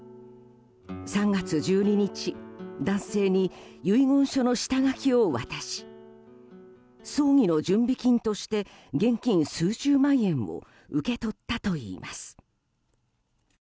３月１２日、男性に遺言書の下書きを渡し葬儀の準備金として現金数十万円を受け取ったといいます。